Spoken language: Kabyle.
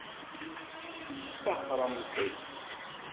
Taxxṛem-d?